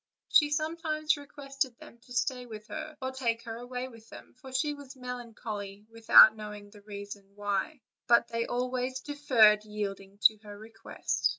She sometimes requested them to stay with her, or take her away with them, for she was melancholy without knowing the cause; but they always deferred yielding to her request.